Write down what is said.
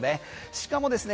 しかもですね